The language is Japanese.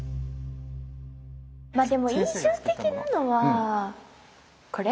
まあでも印象的なのはこれ？